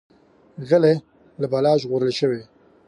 غلی، له بلا ژغورل شوی.